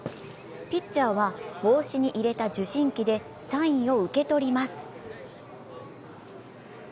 ピッチャーは帽子に入れた受信機でサインを受け取ります。